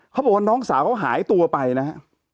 เขาบอกว่าน้องสาวเขาหายตัวไปนะฮะ